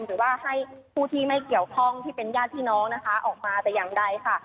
หรือว่าให้ผู้ที่ไม่เกี่ยวข้องที่เป็นญาติพี่น้องนะคะออกมาแต่อย่างใดค่ะ